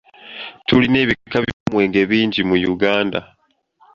Tulina ebika by'omwenge bingi mu Uganda.